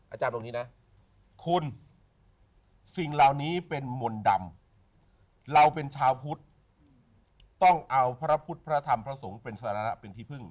อาจารย์ตรงนี้นะคุณสิ่งเหล่านี้เป็นมนต์ดำเราเป็นชาวพุทธต้องเอาพระพุทธพระธรรมพระสงฆ์เป็นสาระเป็นที่พึ่ง